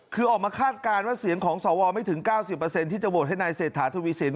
คือออกมาคาดการณ์ว่าเสียงของสวไม่ถึง๙๐ที่จะโหวตให้นายเศรษฐาทวีสิน